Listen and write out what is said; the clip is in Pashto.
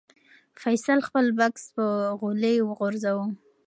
فیصل خپل بکس په غولي وغورځاوه.